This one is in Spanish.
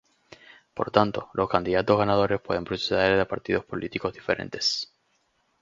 Por tanto, los candidatos ganadores pueden proceder de partidos políticos diferentes.